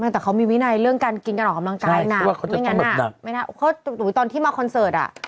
แต่เขามีวินัยเรื่องการกินกระหน่อคำลังกายนักไม่งั้นน่ะเหมือนกับตอนที่มาคอนเซิร์ต